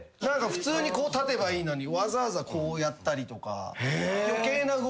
普通にこう立てばいいのにわざわざこうやったりとか。